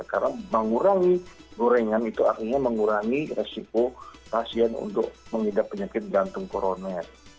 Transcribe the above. karena mengurangi gorengan itu artinya mengurangi resiko pasien untuk mengidap penyakit gantung koroner